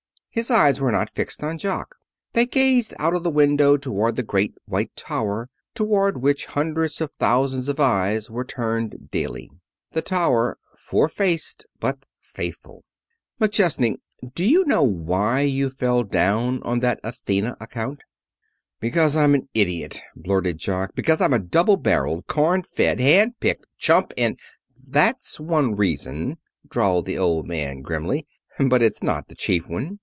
His eyes were not fixed on Jock. They gazed out of the window toward the great white tower toward which hundreds of thousands of eyes were turned daily the tower, four faced but faithful. "McChesney, do you know why you fell down on that Athena account?" "Because I'm an idiot," blurted Jock. "Because I'm a double barreled, corn fed, hand picked chump and " "That's one reason," drawled the Old Man grimly. "But it's not the chief one.